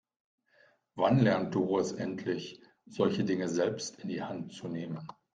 Wann lernt Doris endlich, solche Dinge selbst in die Hand zu nehmen?